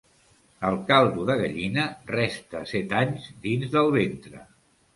El caldo de gallina resta set anys dins del ventre.